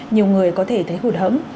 nhiều người có thể thấy hụt hẫm